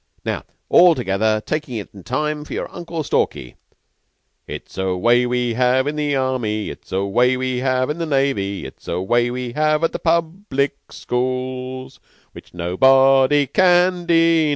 "Now all together takin' time from your Uncle Stalky: It's a way we have in the Army, It's a way we have in the Navy, It's a way we have at the Public Schools, Which nobody can deny!"